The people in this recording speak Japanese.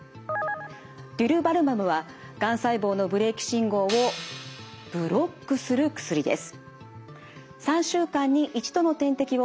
デュルバルマブはがん細胞のブレーキ信号をブロックする薬です。